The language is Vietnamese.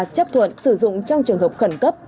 chấp thuận sử dụng trong trường hợp khẩn cấp